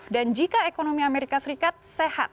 dan jika ekonomi amerika serikat sehat